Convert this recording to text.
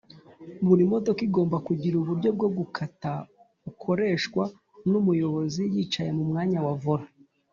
buri modoka igomba kugira uburyo bwo gukata bukoreshwa n’umuyobozi yicaye mumwanyawe vola